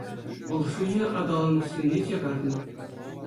Вӑл шыҫӑ аталанассине чакарнӑ.